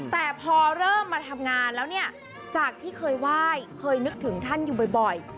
แต่พอเริ่มมาทำงานแล้วเนี่ยจากที่เคยไหว้เคยนึกถึงท่านอยู่บ่อย